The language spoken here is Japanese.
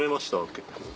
結構。